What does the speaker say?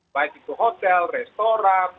baik itu hotel restoran